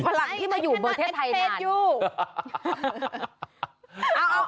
ฝรั่งที่มาอยู่เมืองเทศไทยนาน